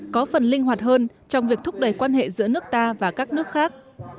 có phần linh hoạt hơn trong việc thúc đẩy quan hệ giữa nước ta và các nước khác